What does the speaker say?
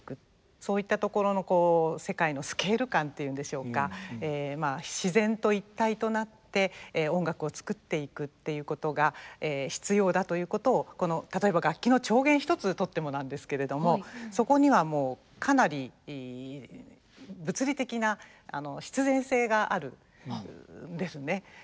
そういったところの世界のスケール感っていうんでしょうかまあ自然と一体となって音楽を作っていくっていうことが必要だということをこの例えば楽器の調弦一つとってもなんですけれどもそこにはもうかなり物理的な必然性があるんですね。